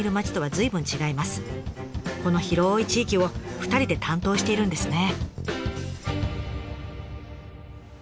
この広い地域を２人で担当しているんですね。